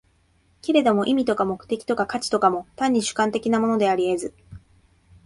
けれども意味とか目的とか価値とかも、単に主観的なものであり得ず、